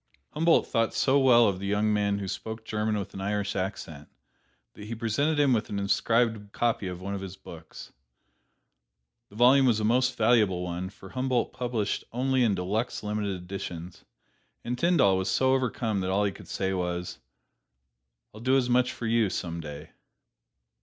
Humboldt thought so well of the young man who spoke German with an Irish accent, that he presented him with an inscribed copy of one of his books. The volume was a most valuable one, for Humboldt published only in deluxe, limited editions, and Tyndall was so overcome that all he could say was, "I'll do as much for you some day."